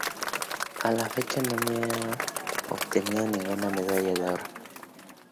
A la fecha no ha obtenido ninguna medalla de oro.